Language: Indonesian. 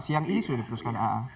siang ini sudah diputuskan aa